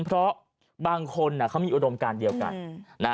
เพราะบางคนเขามีอุดมการเดียวกัน